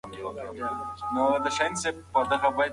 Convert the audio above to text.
د زده کړې ملاتړ د ماشومانو دنده ده.